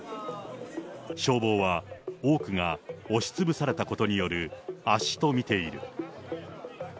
消防は、多くが押しつぶされたことによる圧死と見ている。